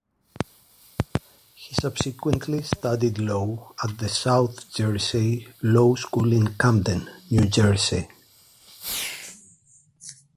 He subsequently studied law at the South Jersey Law School in Camden, New Jersey.